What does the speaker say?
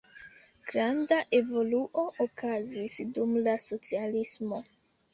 Granda evoluo okazis dum la socialismo.